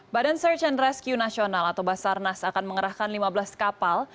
badan search and rescue nasional atau basarnas akan mengerahkan lima belas kapal